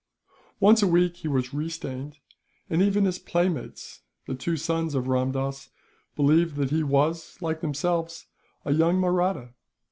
Once a week he was re stained; and even his playmates, the two sons of Ramdass, believed that he was, like themselves, a young Mahratta.